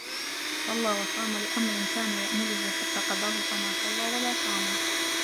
صلى وصام لأمر كان يأمله حتى قضاه فما صلى ولا صاما